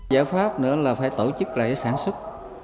giải pháp nữa là phải tổ chức lại sản xuất